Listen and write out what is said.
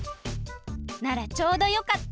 ならちょうどよかった！